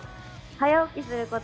早起きすること。